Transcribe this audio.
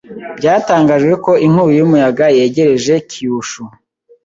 Byatangajwe ko inkubi y'umuyaga yegereje Kyushu.